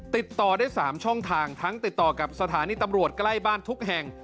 ติดต่อได้๓ช่องทางทั้งติดต่อกับสถานีตำรวจใกล้บ้านทุกแห่ง